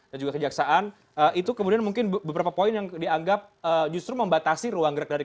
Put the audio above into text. dan juga kejaksaan itu kemudian mungkin beberapa poin yang dianggap justru membatasi ruang kejaksaan